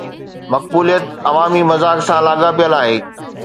مقبوليت عوامي مذاق سان لاڳاپيل آهي.